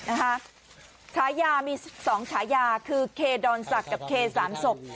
นะฮะชายามีสองชายาคือเคดอนสักกับเคสามศพ